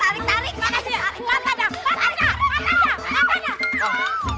tarik tarik tarik